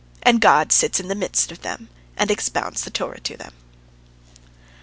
And God sits in the midst of them and expounds the Torah to them.